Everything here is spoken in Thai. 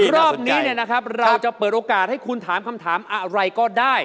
รอบนี้เราจะเปิดโอกาสให้คุณถามคำถามอะไรก็ได้